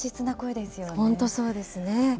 本当、そうですね。